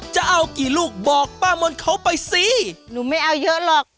จะเอากี่ลูกบอกป้ามนต์เขาไปสิหนูไม่เอาเยอะหรอก